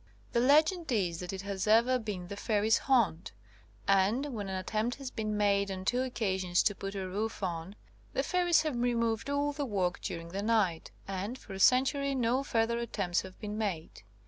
The legend is that it has ever been the fair ies' haunt, and when an attempt has been made on two occasions to put a roof on, the fairies have removed all the work during the night, and for a century no further at tempts have been made.